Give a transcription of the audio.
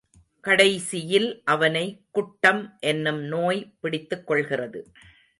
கடைசியில் அவனை, குட்டம் என்னும் நோய் பிடித்துக்கொள்கிறது.